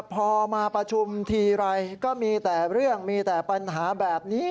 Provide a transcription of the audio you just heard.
พอมาประชุมทีไรก็มีแต่เรื่องมีแต่ปัญหาแบบนี้